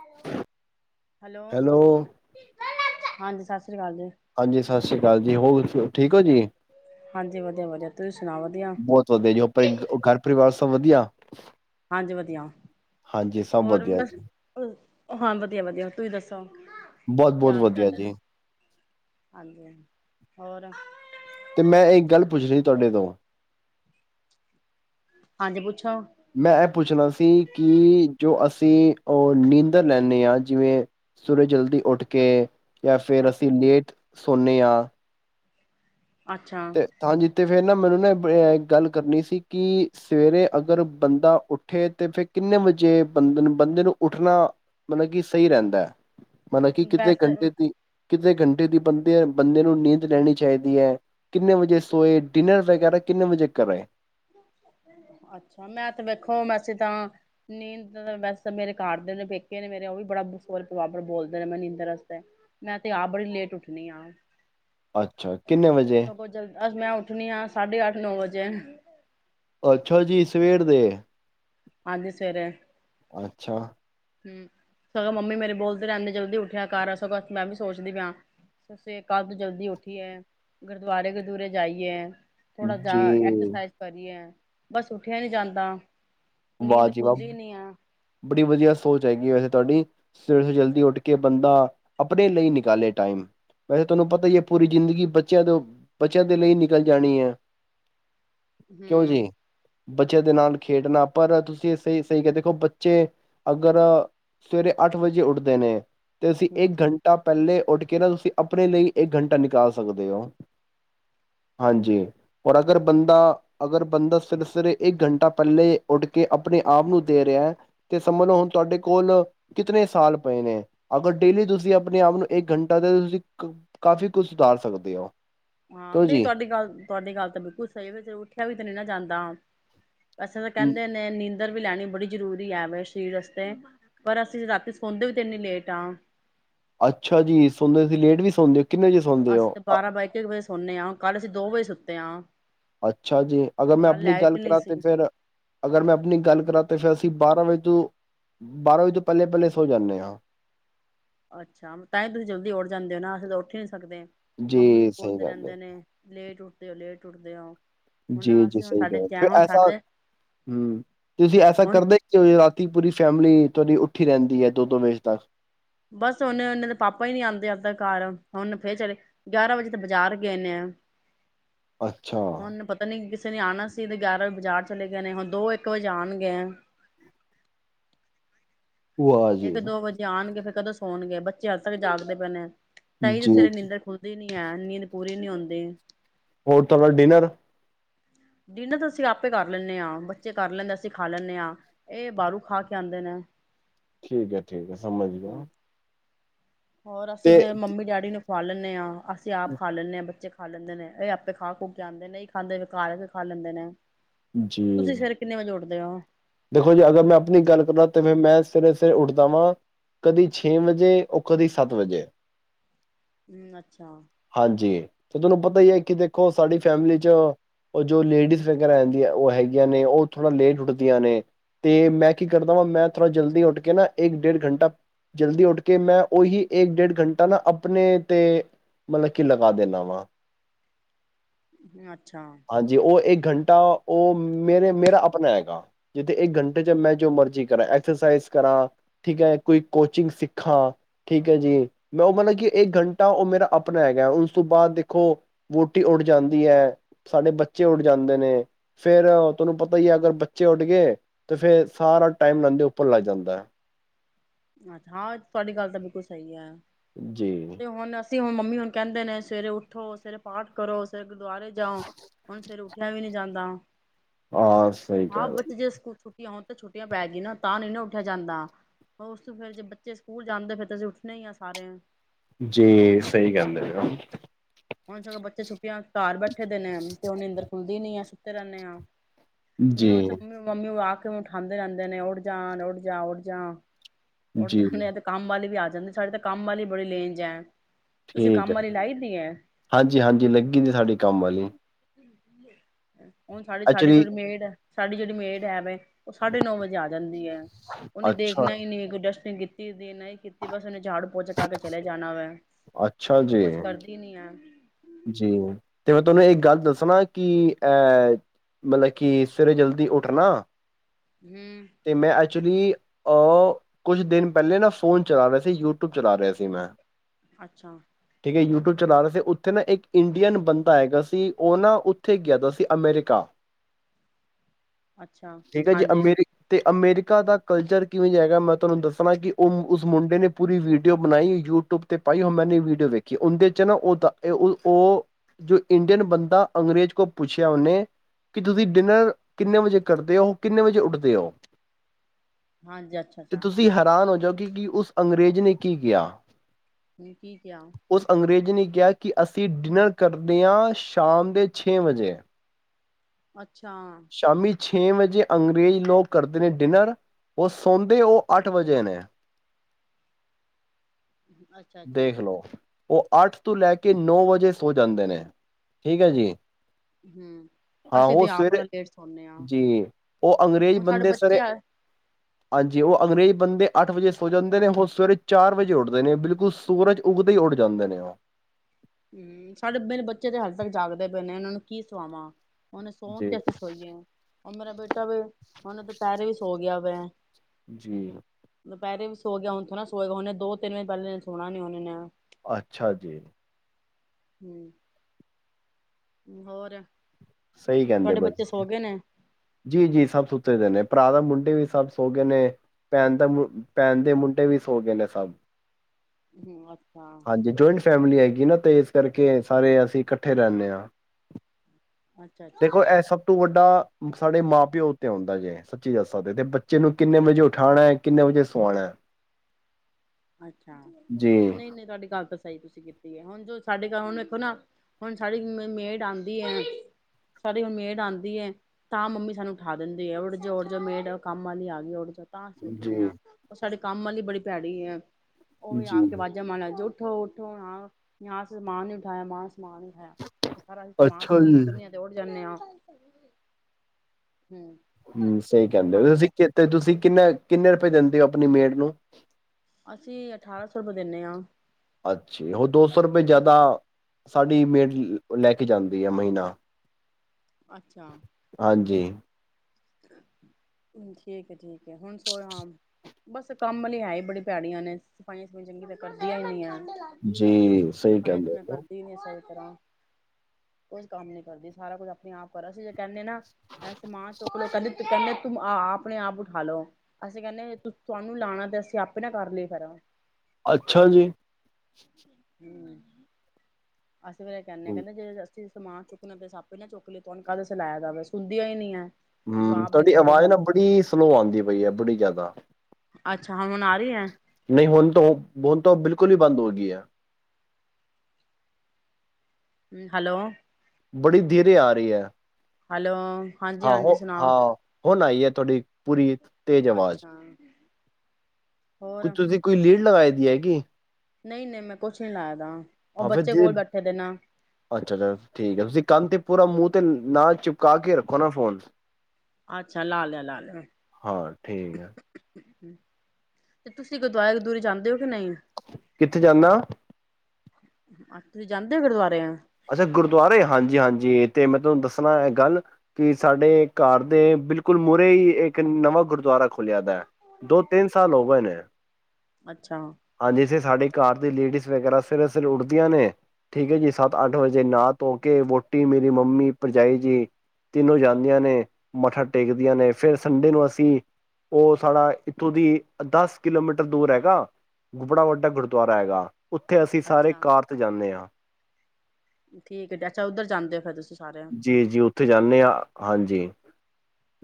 Hello. Hello. ਹਾਂਜੀ ਸਤਿ ਸ੍ਰੀ ਹਾਂਜੀ ਸਤਿ ਸ੍ਰੀ ਅਕਾਲ ਜੀ ਹੋਰ ਠੀਕ ਹੋ ਜੀ। ਹਾਂਜੀ ਵਧੀਆ ਵਧੀਆ ਤੁਸੀਂ ਸੁਣਾਓ ਵਧੀਆ ਬਹੁਤ ਵਧੀਆ ਜੀ ਹੋਰ ਘਰ ਪਰਿਵਾਰ ਸਭ ਵਧੀਆ। ਹਾਂਜੀ ਵਧੀਆ, ਹਾਂਜੀ ਸਭ ਹੋਰ ਵਧੀਆ ਬਸ ਜੀ ਹਾਂ ਵਧੀਆ-ਵਧੀਆ ਤੁਸੀਂ ਦੱਸੋ ਕੀ ਬਹੁਤ-ਬਹੁਤ ਹਾਲ ਚਾਲ ਵਧੀਆ ਹੈ ਜੀ। ਹਾਂਜੀ। ਹੋਰ ਤੇ ਮੈਂ ਇਹ ਗੱਲ ਪੁੱਛਣੀ ਸੀ ਤੁਹਾਡੇ ਤੋਂ। ਹਾਂਜੀ ਪੁੱਛੋ ਮੈਂ ਇਹ ਪੁੱਛਣਾ ਸੀ ਕਿ ਜੋ ਅਸੀ ਅਸੀਂ ਉਹ ਨੀਂਦਰ ਲੈਂਦੇ ਹਾਂ ਜਿਵੇਂ ਸਵੇਰੇ ਜਲਦੀ ਉੱਠ ਕੇ ਜਾਂ ਫੇਿਰ ਅਸੀਂ ਅੱਛਾ ਲੇਟ ਸੋਨੇ ਆਂ। ਅੱਛਾ ਤੇ ਤਾਂ ਜਿੱਥੇ ਫੇਰ ਨਾ ਮੈਨੂੰ ਨਾ ਇਕ ਗੱਲ ਕਰਨੀ ਸੀ ਕਿ ਸਵੇਰੇ ਅਗਰ ਬੰਦਾ ਉੱਠੇ ਤੇ ਫਿਰ ਕਿੰਨੇ ਵਜੇ ਬੰਦ ਨੂੰ ਬੰਦੇ ਨੂੰ ਉੱਠਣਾ ਮਤਲਬ ਕਿ ਸਹੀ ਰਹਿੰਦਾ ਹੈ। ਮਤਲਬ ਕਿ ਕਿਤਨੇ ਵੈਸੇ ਘੰਟੇ ਦੀ ਕਿਤਨੇ ਘੰਟੇ ਦੀ ਬੰਦੇ ਬੰਦੇ ਨੂੰ ਨੀਂਦ ਲੈਣੀ ਚਾਹੀਦੀ ਹੈ। ਕਿੰਨੇ ਵਜੇ ਸੋਏ ਡਿਨਰ ਵਗੈਰਾ ਕਿੰਨੇ ਵਜੇ ਕਰੇ। ਅੱਛਾ ਮੈਂ ਤੇ ਵੇਖੋ ਵੈਸੇ ਤਾਂ ਨੀਂਦ ਵੈਸੇ ਮੇਰੇ ਘਰ ਦੇ ਪੇਕੇ ਨੇ ਮੇਰੇ ਉਹ ਵੀ ਬੜਾ ਬੋਲਦੇ ਨੇ ਮੈਨੂੰ ਨੀਦਰ ਆਸਤੇ ਮੈਂ ਤੇ ਆਪ ਬੜੀ ਲੇਟ ਉੱਠਣੀ ਆ। ਅੱਛਾ ਕਿੰਨੇ ਵਜੇ ਸਗੋ ਜਲਦੀ ਅ ਮੈਂ ਉੱਠਣੀ ਆ ਸਾਢੇ ਅੱਠ ਨੌ ਵਜੇ। [unintelligible] ਅੱਛਾ ਜੀ ਸਵੇਰ ਦੇ ਹਾਂਜੀ ਸਵੇਰੇ ਅੱਛਾ ਹੂ ਸਗੋਂ ਮੰਮੀ ਮੇਰੇ ਬੋਲਦੇ ਰਹਿੰਦੇ ਜਲਦੀ ਉੱਠਿਆ ਕਰ। ਆ ਸਗੋਂ ਮੈਂ ਵੀ ਸੋਚਦੀ ਪਿਆ ਐਸੀ ਕਦ ਜਲਦੀ ਉੱਠੀ ਗੁਰਦੁਆਰੇ ਗੁਰਦੂਰੇ ਜਾਈਏ। ਥੋੜਾ ਜਾ ਜੀ ਐਕਸਰਸਾਈਜ਼ ਕਰੀਏ। ਬਸ ਉੱਠਿਆ ਨੀ ਜਾਂਦਾ। ਵਾਹ ਨੀਂਦ ਜੀ ਵਾਹ ਖੁੱਲਦੀ ਨੀ ਆ। ਬੜੀ ਵਧੀਆ ਸੋਚ ਹੈਗੀ ਵੈਸੇ ਤੁਹਾਡੀ। ਸਵੇਰ ਤੋਂ ਜਲਦੀ ਉੱਠ ਕੇ ਬੰਦਾ ਆਪਣੇ ਲਈ ਨਿਕਾਲੇ ਟਾਈਮ, ਵੈਸੇ ਤੁਹਾਨੂੰ ਪਤਾ ਹੀ ਹੈ ਪੂਰੀ ਜ਼ਿੰਦਗੀ ਬੱਚਿਆਂ ਤੋਂ ਬੱਚਿਆਂ ਦੇ ਲਈ ਨਿਕਲ ਜਾਣੀ ਹੈ। ਹੂ ਬੱਚੇ ਦੇ ਨਾਲ ਖੇਡਣਾ ਪਰ ਤੁਸੀਂ ਇਹ ਸਹੀ ਸਹੀ ਕਿਹਾ ਦੇਖੋ ਬੱਚੇ ਅਗਰ ਸਵੇਰੇ ਅੱਠ ਵਜੇ ਉੱਠਦੇ ਨੇ ਤੇ ਅਸੀਂ ਹੂੰ ਇੱਕ ਘੰਟਾ ਪਹਿਲੇ ਉੱਠ ਕੇ ਨਾ ਤੁਸੀਂ ਆਪਣੇ ਲਈ ਇੱਕ ਘੰਟਾ ਨਿਕਾਲ ਸਕਦੇ ਹੋ ਹਾਂਜੀ ਔਰ ਅਗਰ ਬੰਦਾ ਅਗਰ ਬੰਦਾ ਸਵੇਰੇ ਸਵੇਰੇ ਇੱਕ ਘੰਟਾ ਪਹਿਲੇ ਉੱਠ ਕੇ ਆਪਣੇ ਆਪ ਨੂੰ ਦੇ ਰਿਹਾ ਹੈ ਤੇ ਸਮਝ ਲਓ ਹੁਣ ਤੁਹਾਡੇ ਕੋਲ ਕਿਤਨੇ ਸਾਲ ਪਏ ਨੇ ਅਗਰ ਡੇਲੀ ਤੁਸੀਂ ਆਪਣੇ ਆਪ ਨੂੰ ਇੱਕ ਘੰਟਾ ਦੇ ਤੁਸੀਂ ਕਾਫੀ ਕੁਝ ਸੁਧਾਰ ਸਕਦੇ ਹੋ ਹਾਂ ਕਿਉਂ ਨਹੀਂ ਜੀ ਤੁਹਾਡੀ ਗੱਲ ਤੁਹਾਡੀ ਗੱਲ ਤਾਂ ਬਿਲਕੁਲ ਸਹੀ ਵੇ ਉੱਠਿਆ ਵੀ ਤੇ ਨਹੀਂ ਨਾ ਜਾਂਦਾ ਅੱਛਾ ਤੇ ਕਹਿੰਦੇ ਨੇ ਨੀਂਦ ਨਿੰਦਰ ਵੀ ਲੈਣੀ ਬੜੀ ਜ਼ਰੂਰੀ ਹੈ ਮੇਰੇ ਸਰੀਰ ਵਾਸਤੇ ਪਰ ਅਸੀਂ ਰਾਤੀ ਸੋਂਦੇ ਵੀ ਤੇ ਇੰਨੀ ਲੇਟ ਆ ਅੱਛਾ ਜੀ ਸੌਣਦੇ ਤੁਸੀ ਲੇਟ ਵੀ ਸੌਣਦੇ ਅਸੀਂ ਤੇ ਬਾਰਾਂ ਇੱਕ ਇੱਕ ਵਜੇ ਸੌਨੇ ਹਾਂ ਕੱਲ ਅਸੀਂ ਦੋ ਵਜੇ ਸੁੱਤੇ ਹਾ ਤੇ ਆ ਅੱਛਾ ਜੀ ਅਗਰ ਮੈਂ ਆਪਣੀ ਗੱਲ ਨਹੀਂ ਕਰਾ ਸੀ। ਤੇ ਫਿਰ ਅਗਰ ਮੈਂ ਆਪਣੀ ਗੱਲ ਕਰਾ ਤੇ ਫਿਰ ਅਸੀਂ ਬਾਰਾਂ ਵਜੇ ਤੋਂ ਬਾਰਾਂ ਵਜੇ ਤੋਂ ਪਹਿਲੇ ਪਹਿਲੇ ਸੋ ਜਾਂਦੇ ਹਾਂ ਅੱਛਾ ਤਾਂ ਹੀ ਤੁਸੀਂ ਜਲਦੀ ਉਠ ਜਾਂਦੇ ਹੋ ਨਾ ਅਸੀਂ ਤਾਂ ਉੱਠ ਹੀ ਸਕਦੇ ਮੰਮੀ ਵੀ ਜੀ ਸਹੀ ਬੋਲਦੇ ਗੱਲ ਹੈ ਰਹਿੰਦੇ ਨੇ ਲੇਟ ਉੱਠਦੇ ਹੋ ਲੇਟ ਉੱਠਦੇ ਹੋ ਹੁਣ ਜੀ ਜੀ ਅਸੀਂ ਹੁਣ ਸਹੀ ਸਾਡੇ ਕਿਹਾ ਜੈ ਫਿਰ ਹੁਣ ਐਸਾ ਸਾਡੇ ਹੂ ਤੁਸੀਂ ਐਸਾ ਹੁਣ ਕਰਦੇ ਕਿ ਹੋ ਆਪਕੀ ਪੂਰੀ ਫੈਮਲੀ ਫੈਮਲੀ ਤੁਹਾਡੀ ਉੱਠੀ ਰਹਿੰਦੀ ਹੈ ਦੋ ਦੋ ਵਜੇ ਤੱਕ ਬਸ ਉਹਨਾਂ ਦੇ ਪਾਪਾ ਹੀ ਨੀ ਆਉਂਦੇ ਇੱਦਾਂ ਘਰ ਹੁਣ ਫੇਰ ਚਲੇ ਗਿਆਰਾਂ ਵਜੇ ਤੇ ਬਾਜ਼ਾਰ ਗਏ ਨੇ ਐ ਅੱਛਾ ਹੁਣ ਪਤਾ ਨਹੀਂ ਕਿਸੇ ਕਿਸੇ ਨੇ ਆਉਣਾ ਸੀ ਤੇ ਗਿਆਰਾਂ ਵਜੇ ਬਾਜ਼ਾਰ ਚਲੇ ਗਏ ਨੇ ਹੁਣ ਦੋ ਇੱਕ ਵਜੇ ਆਣਗੇ ਵਾਹ ਜੀ ਇੱਕ ਦੋ ਵਜੇ ਆਣਗੇ ਫਿਰ ਕਦੋਂ ਸੋਣਗੇ ਬੱਚੇ ਹਲੇ ਤੱਕ ਜਾਗਦੇ ਪਾਏਂ ਨੇ ਤਾਈ ਤੇ ਜੀ ਸਵੇਰੇ ਜੀ ਨਿੰਂਦਰ ਖੁੱਲਦੀ ਨਹੀ ਐਨ ਨੀਂਦ ਪੂਰੀ ਨਹੀਂ ਹੋਂਦੀ ਹੋਰ ਤੁਹਾਡਾ ਡਿਨਰ ਡਿਨਰ ਤਾਂ ਅਸੀਂ ਆਪੇ ਕਰ ਲੈਂਦੇ ਹਾਂ ਬੱਚੇ ਕਰ ਲੈਂਦੇ ਅਸੀਂ ਖਾ ਲੈਂਦੇ ਹਾਂ ਇਹ ਬਾਹਰੋਂ ਖਾ ਕੇ ਆਉਂਦੇ ਨੇ ਠੀਕ ਹੈ ਠੀਕ ਹੈ ਸਮਝ ਗਿਆ ਹੋਰ ਅਸੀਂ ਤੇ ਫੇਰ ਮੰਮੀ ਡੈਡੀ ਨੂੰ ਖਵਾਂ ਲੇਂਨੇ ਹਾਂ ਅਸੀਂ ਆਪ ਖਾ ਲੈਂਦੇ ਆਂ ਬੱਚੇ ਖਾ ਲੈਂਦੇ ਨੇ ਇਹ ਆਪੇ ਖਾ ਖੂ ਕੇ ਆਉਂਦੇ ਨੇ ਨਹੀਂ ਖਾਂਦੇ ਘਰ ਆ ਕੇ ਖਾ ਲੈਂਦੇ ਨੇ ਜੀ ਤੁਸੀਂ ਸਵੇਰੇ ਕਿੰਨੇ ਵਜੇ ਉੱਠਦੇ ਹੋ ਦੇ ਹੋ ਦੇਖੋ ਜੀ ਅਗਰ ਮੈਂ ਆਪਣੀ ਗੱਲ ਕਰਾਂ ਤੇ ਮੈਂ ਫਿਰ ਸਵੇਰੇ ਸਵੇਰੇ ਉੱਠਦਾ ਵਾਂ ਕਦੀ ਛੇ ਵਜੇ ਔਰ ਕਦੀ ਸੱਤ ਵਜੇ ਹਮ ਅੱਛਾ। ਹਾਂਜੀ ਤੁਹਾਨੂੰ ਪਤਾ ਹੀ ਹੈ ਕਿ ਦੇਖੋ ਸਾਡੀ ਫੈਮਿਲੀ ਚ ਉਹ ਜੋ ਲੇਡੀਜ਼ ਵਗੈਰਾ ਰਹਿੰਦੀਆਂ ਉਹ ਹੈਗੀਆਂ ਨੇ ਉਹ ਥੋੜ੍ਹਾ ਲੇਟ ਉੱਠਦੀਆਂ ਨੇ। ਤੇ ਮੈਂ ਕੀ ਕਰਦਾ ਵਾਂ ਮੈਂ ਥੋੜ੍ਹਾ ਜਲਦੀ ਉੱਠ ਕੇ ਨਾ ਇੱਕ ਡੇਢ ਘੰਟਾ ਜਲਦੀ ਉੱਠ ਕੇ ਮੈਂ ਉਹੀ ਇੱਕ ਡੇਢ ਘੰਟਾ ਨਾ ਆਪਣੇ ਤੇ ਮਤਲਬ ਕਿ ਲਗਾ ਦੇਨਾ ਵਾਂ। ਅੱਛਾ ਹਾਂਜੀ ਉਹ ਇੱਕ ਘੰਟਾ ਉਹ ਮੇਰੇ ਮੇਰਾ ਆਪਣਾ ਹੈਗਾ। ਜਿੱਥੇ ਇਹ ਘੰਟੇ ਚ ਮੈਂ ਜੋ ਮਰਜੀ ਕਰਾਂ ਐਕਸਰਸਾਈਜ਼ ਕਰਾਂ ਠੀਕ ਹੈ, ਕੋਈ ਕੋਚਿੰਗ ਸਿੱਖਾ ਠੀਕ ਹੈ ਜੀ, ਮੈਂ ਉਹ ਮਤਲਬ ਕਿ ਇਹ ਘੰਟਾ ਉਹ ਮੇਰਾ ਆਪਣਾ ਹੈਗਾ ਉਸ ਤੋਂ ਬਾਅਦ ਦੇਖੋ ਵੋਟੀ ਉੱਠ ਜਾਂਦੀ ਹੈ, ਸਾਡੇ ਬੱਚੇ ਉੱਠ ਜਾਂਦੇ ਨੇ ਫੇਰ ਤੁਹਾਨੂੰ ਪਤਾ ਹੀ ਹੈ ਅਗਰ ਬੱਚੇ ਉੱਠ ਗਏ ਤੇ ਫਿਰ ਸਾਰਾ ਟਾਈਮ ਉਹਨਾਂ ਦੇ ਉੱਪਰ ਲੱਗ ਜਾਂਦਾ। ਅੱਛਾ ਹਾਂ ਤੁਹਾਡੀ ਗੱਲ ਤਾਂ ਬਿਲਕੁਲ ਸਹੀ ਹੈ। ਜੀ। ਹੁਣ ਤੇ ਹੁਣ ਮੰਮੀ ਹੁਣ ਕਹਿੰਦੇ ਨੇ ਸਵੇਰੇ ਉੱਠੋ, ਸਵੇਰੇ ਪਾਠ ਕਰੋ ਸਵੇਰੇ ਗੁਰ ਦੁਆਾਰੇ ਜਾਓ, ਹੁਣ ਸਵੇਰੇ ਉੱਠਿਆ ਵੀ ਨੀ ਜਾਂਦਾ। ਹਾਂ ਸਹੀ ਕਹਿ ਰਹੇ। ਕੀ ਹੁਣ ਤਾਂ ਛੁੱਟੀਆਂ ਪੈ ਗਈਆ ਨਾ ਤਾਂ ਨੀ ਨਾ ਉੱਠਿਆ ਜਾਂਦਾ। ਉਸ ਤੋਂ ਫੇਰ ਜੇ ਬੱਚੇ ਸਕੂਲ ਜਾਂਦੇ ਫੇਰ ਤਾਂ ਅਸੀਂ ਉੱਠਣੇ ਹੀ ਆ ਸਾਰਿਆ ਨੇ। ਜੀ ਸਹੀ ਗੱਲ ਹੈ। ਹੁਨ ਸਗੋਂ ਬੱਚੇ ਛੁਟ [unintelligible] ਘਰ ਬੈਠੇ ਦੇ ਨੇ ਤੇ ਉਹ ਨੀਂਦਰ ਖੁੱਲਦੀ ਨੀ ਹੈ। ਸੁੱਤੇ ਰਹਿਨੇ ਹਾਂ। ਨਹੀਂ ਉੰਜ ਤੇ ਜੀ ਮੰਮੀ ਮੰਮੀ ਉਹ ਆਪ ਉਠਾਦੇ ਰਹਿੰਦੇ ਨੇ ਉੱਠ ਜਾ ਹੁਣ ਉੱਠ ਜਾ, ਉੱਠ ਜਾ। ਉੱਠ ਜੀ ਜਾਂਦੇ ਆ ਤੇ ਕੰਮ ਵਾਲੀ ਵੀ ਆ ਸਾਡੀ ਤਾਂ ਕੰਮ ਵਾਲੀ ਬੜੀ ਲੇਂਜ ਐ। ਤੁਸੀਂ ਕੰਮ ਵਾਲੀ ਲਾਈ ਦੀ ਏ। ਹਾਂਜੀ-ਹਾਂਜੀ ਲੱਗੀ ਦੀ ਸਾਡੀ ਕੰਮ ਵਾਲੀ। [inaudible] ਹੁਣ ਸਾਡੇ ਸਾਡੀੇ ਜੋ ਐਕਚੁਲੀ ਮੇਡ ਐ ਸਾਡੀ ਜਿਹੜੀ ਮੇਡ ਹੈ ਵੇ ਉਹ ਸਾਢੇ ਨੌ ਵਜੇ ਆ ਜਾਂਦੀ ਏ ਉਹਨੇ ਅੱਛਾ, ਦੇਖਣਾ ਹੀ ਨਹੀਂ ਕੋਈ ਡਸਟ ਕੀਤੀ ਦੀ ਨਹੀਂ ਕੀਤੀ ਬਸ ਝਾੜੂ-ਪੋਚਾ ਕਰਕੇ ਚਲੇ ਜਾਣਾ ਵੇ। ਅੱਛਾ ਜੀ। ਜੀ ਤੇ ਮੈਂ ਤੁਹਾਨੂੰ ਇੱਕ ਗੱਲ ਦੱਸਣਾ ਕਿ ਐ ਮਤਲਬ ਕਿ ਸਵੇਰੇ ਜਲਦੀ ਉੱਠਨਾ ਹੂੰ ਐਕਚੁਲੀ ਆ ਕੁਛ ਦਿਨ ਪਹਿਲੇ ਨਾ ਫੋਨ ਚਲਾ ਰਿਹਾ ਸੀ ਯੂਟਿਊਬ ਚਲਾ ਰਹਾ ਸੀ ਮੈਂ। ਅੱਛਾ। ਕਿ ਯੂਟਿਊਬ ਚਲਾ ਰਿਹਾ ਸੀ ਉੱੱਚ ਉੱਥੇ ਨਾ ਇੱਕ ਇੰਡੀਅਨ ਬੰਦਾ ਹੈਗਾ ਸੀ ਉਹ ਨਾ ਉੱਥੇ ਗਿਆ ਦਾ ਸੀ ਅਮੈਰਿਕਾ। ਅੱਛਾ ਹਾਂਜੀ ਅਮੇਰਿਕਾ ਦਾ ਕਲਚਰ ਕਿਵੇਂ ਦਾ ਹੈਗਾ ਮੈਂ ਤੁਹਾਨੂੰ ਦੱਸਣਾ ਕਿ ਉਹ ਉਸ ਮੁੰਡੇ ਨੇ ਪੂਰੀ ਵੀਡੀਓ ਬਣਾਈ, ਯੂਟਿਊਬ 'ਤੇ ਪਾਈ ਹੁਣ ਮੈਂਨੇ ਵੀਡੀਓ ਵੇਖੀ, ਉਹਦੇ ਚ ਨਾ ਉਹਦਾ ਏ ਉਹ ਉਹ ਜੋ ਇੰਡੀਅਨ ਬੰਦਾ ਅੰਗਰੇਜ਼ ਕੋਲ ਪੁੱਛਿਆ ਉਹਨੇ, ਕਿ ਤੁਸੀਂ ਡਿਨਰ ਕਿੰਨੇ ਵਜੇ ਕਰਦੇ ਹੋ ਕਿੰਨੇ ਵਜੇ ਉੱਠਦੇ ਹੋ। ਹਾਂਜੀ ਅੱਛਾ ਤੇ ਅੱਛਾ ਤੁਸੀਂ ਹੈਰਾਨ ਹੋ ਜਾਓ ਕਿ ਕੀ ਉਸ ਅੰਗਰੇਜ਼ ਨੇ ਕੀ ਕਿਹਾ। ਹੂੰ ਕੀ ਕਿਹਾ ਉਸ ਅੰਗਰੇਜ਼ ਨੇ ਕਿਹਾ ਕਿ ਅਸੀਂ ਡਿਨਰ ਕਰਦੇ ਹਾਂ ਸ਼ਾਮ ਦੇ ਛੇ ਵਜੇ। ਅੱ ਛਾ ਸ਼ਾਮੀ ਛੇ ਵਜੇ ਅੰਗਰੇਜ਼ ਲੋਕ ਕਰਦੇ ਨੇ ਡਿਨਰ, ਉਹ ਸੌਂਦੇ ਉਹ ਅੱਠ ਵਜੇ ਨੇ। ਅੱਛਾ ਅੱਛਾ ਦੇਖ ਲੋ। ਉਹ ਅੱਠ ਤੋਂ ਲੈ ਕੇ ਨੌ ਵਜੇ ਸੌ ਜਾਂਦੇ ਨੇ, ਠੀਕ ਹੈ ਜੀ। ਹੂੰ ਹਾਂ ਅਸੀਂ ਤੇ ਉਹ ਆਪ ਸਵੇਰੇ ਬੜਾ ਲੇਟ ਸੌਂਨੇ ਆ, ਜੀ ਉਹ ਅੰਗਰੇਜ਼ ਹੁਣ ਸਾਡੇ ਬੰਦੇ ਬੱਚੇ ਸਵੇਰੇ ਆਏ ਹਾਂਜੀ ਉਹ ਅੰਗਰੇਜ਼ ਬੰਦੇ ਅੱਠ ਵਜੇ ਸੋ ਜਾਂਦੇ ਨੇ ਉਹ ਸਵੇਰੇ ਚਾਰ ਵਜੇ ਉੱਠਦੇ ਨੇ ਬਿਲ ਉਹ ਸੂਰਜ ਉੱਗਦੇ ਈ ਉੱਠ ਜਾਂਦੇ ਨੇ ਉਹ। ਹੂੰ ਸਾਡੇ ਮੇਰੇ ਬੱਚੇ ਤੇ ਹਜੇ ਤੱਕ ਜਾਗਦੇ ਪਏ ਨੇ ਉਹਨਾਂ ਨੂੰ ਕੀ ਸੁਵਾਵਾਂ। ਹੁਣ ਇਹ ਸੋਣ ਜੀ ਤੇ ਅਸੀਂ ਸੋਈਏ। ਉਹ ਮੇਰਾ ਬੇਟਾ ਵੀ ਹੁਣ ਦੁਪਹਿਰੇ ਵੀ ਸੋ ਗਿਆ ਵੇ। ਜੀ ਦੁਪਹਿਰੇ ਵੀ ਸੋ ਗਿਆ ਹੁਣ ਥੋੜ੍ਹਾ ਨਾ ਸੋਏਗਾ ਹੁਣ ਇਹ ਦੋ-ਤਿੰਨ ਦਿਨ ਪਹਿਲੇ ਸੋਣਾ ਨੀ ਉਹਨੇ ਨੇ। ਅੱਛਾ ਜੀ। ਹੂੰ ਹੋਰ ਸਹੀ ਕਹਿੰਦੇ ਤੁਹਾਡੇ ਬੱਚੇ ਬਸ, ਸੋ ਗਏ ਨੇ ਜੀ-ਜੀ ਸਭ ਸੁੱਤੇ ਦੇ ਨੇ। ਭਰਾ ਦਾ ਮੁੰਡੇ ਵੀ ਸਭ ਸੌ ਗਏ ਨੇ, ਭੈਣ ਦਾ ਭੈਣ ਦੇ ਮੁੰਡੇ ਵੀ ਸੌ ਗਏ ਨੇ ਸਭ। ਹੂੰ ਅੱਛਾ ਹਾਂਜੀ ਜੁਆਇੰਟ ਫੈਮਲੀ ਹੈਗੀ ਨਾ ਤੇ ਕਰਕੇ ਸਾਰੇ ਅਸੀਂ ਇਕੱਠੇ ਰਹਿੰਨੇ ਆ। ਅੱਛਾ ਅੱਛਾ ਦੇਖੋ ਇਹ ਸਭ ਤੋਂ ਵੱਡਾ ਸਾਡੇ ਮਾਂ ਪਿਓ ਉੱਤੇ ਆਉਂਦਾ ਜੇ, ਸੱਚੀ ਦੱਸਾਂ ਤੇ ਬੱਚੇ ਨੂੰ ਕਿੰਨੇ ਵਜੇ ਉਠਾਣਾ, ਕਿੰਨੇ ਵਜੇ ਸੁਆਣਾ। ਅੱਛਾ ਨਹੀਂ-ਨਹੀਂ ਤੁਹਾਡੀ ਗੱਲ ਤਾਂ ਸਹੀ ਤੁਸੀਂ ਕੀਤੀ ਐ। ਹੁਣ ਜੋ ਸਾਡੇ ਘਰ ਹੁਣ ਦੇਖੋ ਨਾ, ਹੁਣ ਸਾਡੀ ਮੇਡ ਆਂਦੀ ਏ ਸਾਡੀ ਹੁਣ ਮੇਡ ਆਂਦੀ ਏ ਤਾਂ ਮੰਮੀ ਸਾਨੂੰ ਉਠਾ ਦਿੰਦੀ ਹੈ ਉਠ ਜੋ ਉਠ ਜੋ ਮੇਡ ਕੰਮ ਵਾਲੀ ਆ ਗਈ ਉਠ ਜੋ। ਤਾਂ ਅਸੀਂ ਉੱਠਨੇ ਜੀ ਆਂ ਉਹ ਸਾਡੇ ਕੰਮ ਵਾਲੀ ਬੜੀ ਭੈੜੀ ਏ। ਉਹ ਵੀ ਆ ਜੀ ਕੇ ਵਾਜਾਂ ਮਾਰਨ ਲੱਗ ਜਾਂਦੀ ਉਠ ਉਠੋ ਉਠੋ ਨਾ ਜਹਾਂ ਸੇ ਸਾਮਾਨ ਉਠਾਇਆ ਸਾਮਾਨ [unintelligible] ਸਮਾਨ ਨੀ ਉਠਾਇਆ ਸਾਰਾ ਅਸੀਂ ਅੱਛਾ ਸਮਾਨ-ਸਮੂਨ ਜੀ ਚੁੱਕਨੇ ਆ ਤੇ ਉਠ ਜਾਨੇ ਆ। ਹਮ ਹੂੰ ਸਹੀ ਕਹਿੰਦੇ ਤੁਸੀਂ ਹਾਂਜੀ ਕਿਤੇ ਤੁਸੀਂ ਕਿੰਨਾ ਕਿੰਨੇ ਰੁਪਏ ਦਿੰਦੇ ਹੋ ਆਪਣੀ ਮੇਡ ਨੂੰ। ਅਸੀਂ ਅਠਾਰਾਂ ਸੌ ਰੁਪਏ ਦਿੰਨੇ ਆਂ। ਅੱਛਿਆ ਹੋ ਦੋ ਸੌ ਰੁਪਏ ਜ਼ਿਆਦਾ ਸਾਡੀ ਮੇਡ ਲੈ ਕੇ ਜਾਂਦੀ ਹੈ ਮਹੀਨਾ ਅੱਛਾ। ਹਾਂਜੀ। ਹੂੰ ਠੀਕ ਹੈ, ਠੀਕ ਹੈ ਹੁਣ ਸੋਏ ਹਾਂ ਬਸ ਕੰਮ ਨਈ ਹੈ ਹੀ ਬੜੀ ਭੈੜੀਆਂ ਨੇ ਸਫਾਈਆਂ ਸਫੂਈਆਂ ਚੰਗੀ ਤਾਂ ਕਰਦੀਆਂ ਹੀ ਨਹੀਂ ਹੈ। ਜੀ ਸਹੀ ਸਫਾਈਆਂ ਕਹਿੰਦੇ ਸਫੂਈਆਂ ਪਏ ਹੋ। ਕਰਦੀ ਨਹੀਂ ਸਹੀ ਤਰ੍ਹਾਂ ਕੁਛ ਕੰਮ ਨੀ ਕਰਦੀ ਸਾਰਾ ਕੁੱਝ ਆਪਣੇ ਆਪ ਕਰਾਂ ਸੀ ਜ ਕਹਿੰਦੇ ਨਾ ਐਸ ਮਾਂ ਕਹਿੰਦੇ-ਕਹਿੰਦੇ ਤੁਮ ਆ ਆਪਣੇ ਆਪ ਉਠਾ ਲੋ, ਅਸੀਂ ਕਹਿੰਦੇ ਤੁਹਾਨੂੰ ਲਾਣਾ ਤੇ ਅਸੀਂ ਆਪੇ ਨਾ ਕਰ ਲਈ ਫੇਰ। ਅੱਛਾ ਜੀ। ਹੂੰ। ਅਸੀਂ ਵੀ ਇਹੀ ਕਹਿਨੇ ਕਹਿੰਦੇ ਜੇ ਅਸੀਂ ਸਮਾਨ ਚੁੱਕਣਾ ਤੇ ਸੱਪ ਨਾ ਚੁੱਕ ਲਏ, ਤੁਹਾਨੂੰ ਕਾਹਦੇ ਦੇ ਵਾਸਤੇ ਲਾਇਆ ਦਾ ਹੈ ਸੁਣਦੀਆਂ ਹੀ ਨਹੀਂ ਹੈ। ਹੂੰ, ਜਵਾਬ ਦੇ ਤੁਹਾਡੀ ਕੇ ਚਲੇ ਆਵਾਜ਼ ਨਾ ਜਾਂਦੇ ਨੇ ਬੜੀ ਸਲੋਅ ਆਉਂਦੀ ਪਈ ਹੈ ਬੜੀ ਜ਼ਿਆਦਾ ਅੱਛਾ, ਹਾਂ ਹੁਣ ਆ ਰਹੀ ਹੈ। ਨਹੀਂ ਹੁਣ ਹੁਣ ਤੋ ਬਿਲਕੁਲ ਹੀ ਬੰਦ ਹੋ ਗਈ ਹੈ। ਹੈਲੋ ਬੜੀ ਧੀਰੇ ਆ ਰਹੀ ਹੈ। ਹੈਲੋ ਹਾਂਜੀ ਹਾਂ ਹੋ ਹਾਂਜੀ ਸੁਣਾਓ ਹਾਂ ਹੁਣ ਆਈ ਹੈ। ਤੁਹਾਡੀ ਪੂਰੀ ਤੇਜ ਆਵਾਜ਼ ਅੱਛਾ ਹੋਰ ਤੁਸੀਂ ਕੋਈ ਲੀਡ ਲਗਾਈ ਦੀ ਹੈਗੀ ਨਹੀਂ, ਨਹੀਂ ਮੈਂ ਕੁਛ ਨੀ ਲਾਇਆ ਦਾ ਉਹ ਹਾਂ, ਫਿਰ ਬੱਚੇ ਜੇ ਕੋਲ ਬੈਠੇ ਦੇ ਨਾ ਅੱਛਾ-ਅੱਛਾ ਠੀਕ ਹੈ ਤੁਸੀਂ ਕੰਨ ਤੇ ਪੂਰਾ ਮੂੰਹ ਤੇ ਨਾਲ ਚਿਪਕਾ ਕੇ ਰੱਖੋ ਨਾ ਫ਼ੋਨ। ਅੱਛਾ ਲਾ ਲਿਆ ਲਾ ਲਿਆ। ਹਾਂ ਠੀਕ ਹੈ ਤੇ ਤੁਸੀਂ ਗੁਰਦੁਆਰੇ ਦੁਰੇ ਜਾਂਦੇ ਹੋ ਕਿ ਨਹੀਂ। ਕਿੱਥੇ ਜਾਨਾਂ? ਤੁਸੀਂ ਜਾਂਦੇ ਹੋ ਗੁਰਦੁਆਰਿਆਂ ਅੱਛਾ ਗੁਰਦੁਆਰੇ ਹਾਂਜੀ, ਹਾਂਜੀ ਤੇ ਮੈਂ ਤੁਹਾਨੂੰ ਦੱਸਣਾ ਇਹ ਗੱਲ ਕਿ ਸਾਡੇ ਘਰ ਦੇ ਬਿਲਕੁਲ ਮੂਹਰੇ ਹੀ ਇੱਕ ਨਵਾਂ ਗੁਰਦੁਆਰਾ ਖੁ ਬੋਲਿਆ ਦਾ ਦੋ ਤਿੰਨ ਸਾਲ ਹੋ ਗਏ ਨੇ। ਅੱਛਾ ਹਾਂਜੀ ਇੱਥੇ ਸਾਡੇ ਘਰ ਦੀ ਲੇਡੀਜ਼ ਵਗੈਰਾ ਸਵੇਰੇ-ਸਵੇਰੇ ਉੱਠਦੀਆਂ ਨੇ ਠੀਕ ਹੈ ਜੀ। ਸੱਤ ਅੱਠ ਵਜੇ ਨਾ ਧੋ ਕੇ ਵਹੁਟੀ ਮੇਰੀ ਮੰਮੀ ਭਰਜਾਈ ਜੀ ਤਿੰਨੋ ਜਾਂਦੀਆਂ ਨੇ ਮੱਥਾ ਟੇਕਦੀਆਂ ਨੇ ਫਿਰ ਸੰਡੇ ਨੂੰ ਅਸੀਂ ਉਹ ਸਾਡਾ ਇੱਥੋਂ ਦੀ ਦਸ ਕਿਲੋਮੀਟਰ ਦੂਰ ਹੈਗਾ, ਬੜਾ ਵੱਡਾ ਗੁਰਦੁਆਰਾ ਹੈਗਾ। ਉੱਥੇ ਅਸੀਂ ਸਾਰੇ ਅੱਛਾ ਕਾਰ ਚ ਜਾਂਦੇ ਹਾਂ। ਠੀਕ ਹੈ ਅੱਛਾ ਉੱਧਰ ਜਾਂਦੇ ਹੋ ਫਿਰ ਤੁਸੀਂ ਸਾਰੇ ਜੀ ਜੀ ਉੱਥੇ ਜਾਂਨੇ ਹਾਂ। ਹਾਂਜੀ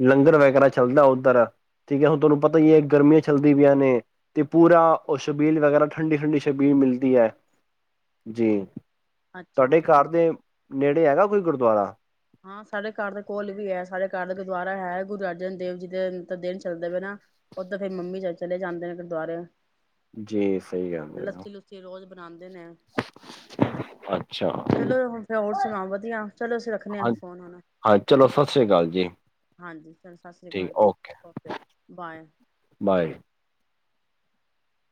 ਲੰਗਰ ਵਗੈਰਾ ਚੱਲਦਾ ਉੱਧਰ ਠੀਕ ਏ। ਹੁਣ ਤੁਹਾਨੂੰ ਪਤਾ ਈ ਏ। ਗਰਮੀ ਚੱਲਦੀ ਪਿਆਂ ਨੇ ਤੇ ਪੂਰਾ ਉਹ ਸ਼ਬੀਲ ਵਗੈਰਾ ਠੰਡੀ ਠੰਡੀ ਸ਼ਬੀਲ ਮਿਲਦੀ ਹੈ। ਜੀ ਅੱਛਾ ਤੁਹਾਡੇ ਘਰ ਦੇ ਨੇੜੇ ਹੈਗਾ। ਕੋਈ ਗੁਰ ਬ [inaudible] ਹਾਂ ਸਾਡੇ ਘਰ ਦੇ ਕੋਲ ਵੀ ਏ। ਸਾਡੇ ਘਰ ਦਾ ਗੁਰਦੁਆਰਾ ਹੈ। ਗੁਰੂ ਅਰਜਨ ਦੇਵ ਜੀ ਦੇ ਦਿਨ ਚੱਲਦੇ ਪਏ ਨਾ ਉਦਰ ਫੇਿਰ ਮੰਮੀ ਚਲੇ ਜਾਂਦੇ ਨੇ ਗੁਰਦੁਆਰੇ। ਜੀ ਸਹੀ ਗੱਲ ਲੱਸੀ ਹੈ ਲੁੱਸੀ ਰੋਜ਼ ਬਨਾਦੇ ਨੇ ਅੱਛਾ ਹਾਂ ਚਲੋ ਹੁਣ ਫ ਹੋਰ ਸੁਣਾ ਵਧ ਚਲੋ [inaudible] ਫੋਨ ਹੋਣਾ ਹਾਂ ਚਲੋ ਸਤਿ ਸ੍ਰੀ ਅਕਾਲ ਜੀ ਹਾਂਜੀ ਸਤਿ ਸ੍ਰੀ ਅਕਾਲ ਜੀ ਓਕੇ ਬਾਏ। ਬਾਏ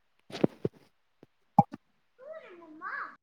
[inaudible] [inaudible] ਹੋੂਰਮਮ [inaudible]